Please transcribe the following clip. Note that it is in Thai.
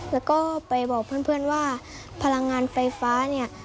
แล้วก็ไปบอกเพื่อนว่าพลังงานไฟฟ้าเนี่ย